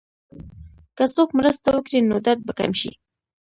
که څوک مرسته وکړي، نو درد به کم شي.